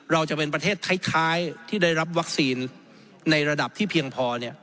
เราจะเป็นประเทศท้ายที่ได้รับวัคซีนในระดับที่เพียงพอ